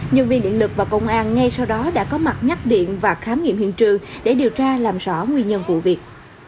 nhân viên điện lực và công an ngay sau đó đã có mặt nhắc điện và khám nghiệm hiện trường để điều tra làm rõ nguyên nhân vụ việc